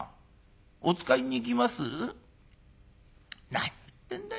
何を言ってんだよ